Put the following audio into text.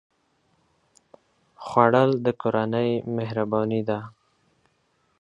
خوړل د کورنۍ مهرباني ده